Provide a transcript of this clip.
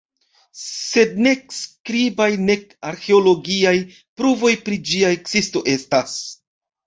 Sed nek skribaj, nek arĥeologiaj pruvoj pri ĝia ekzisto estas.